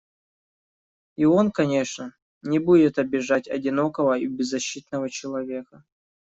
И он, конечно, не будет обижать одинокого и беззащитного человека.